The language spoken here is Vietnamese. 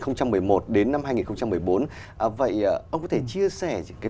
giờ là rain riskin